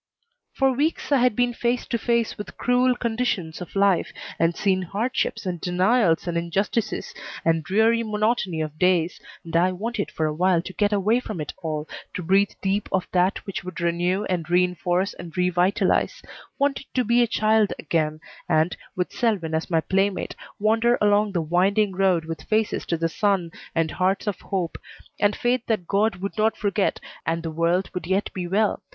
For weeks I had been face to face with cruel conditions of life, had seen hardships and denials and injustices, and dreary monotony of days, and I wanted for a while to get away from it all, to breathe deep of that which would renew and reinforce and revitalize; wanted to be a child again, and, with Selwyn as my playmate, wander along the winding road with faces to the sun, and hearts of hope, and faith that God would not forget, and the world would yet be well.